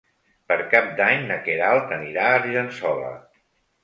Per Cap d'Any na Queralt anirà a Argençola.